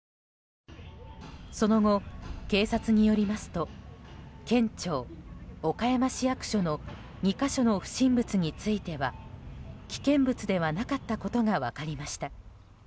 その後、警察によりますと県庁、岡山市役所の２か所の不審物については危険物ではなかったことが分かりました。